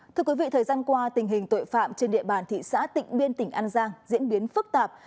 thưa quý vị thời gian qua tình hình tội phạm trên địa bàn thị xã tịnh biên tỉnh an giang diễn biến phức tạp